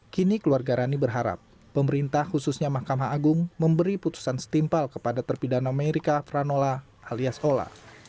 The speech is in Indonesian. kini keluarga rani berharap pemerintah khususnya mahkamah agung memberi putusan setimpal kepada terpidana merica pranola alias ola